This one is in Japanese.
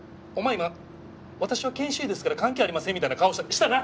今「私は研修医ですから関係ありません」みたいな顔したな？